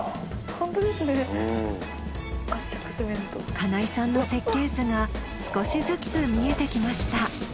金井さんの設計図が少しずつ見えてきました。